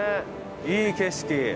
いい景色。